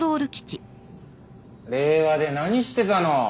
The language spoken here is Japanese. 令和で何してたの？